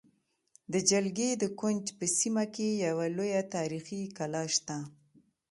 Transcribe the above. د جلگې د کونج په سیمه کې یوه لویه تاریخې کلا شته